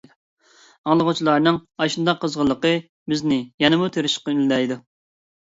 ئاڭلىغۇچىلارنىڭ ئاشۇنداق قىزغىنلىقى بىزنى يەنىمۇ تىرىشىشقا ئۈندەيدۇ.